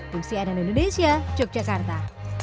fungsi nm indonesia yogyakarta